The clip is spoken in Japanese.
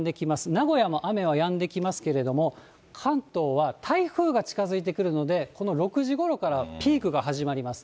名古屋も雨はやんできますけれども、関東は台風が近づいてくるので、この６時ごろからピークが始まります。